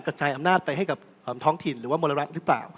กระจายอำนาจไปให้กับท้องถิ่นหรือว่ามรณรัฐหรือเปล่า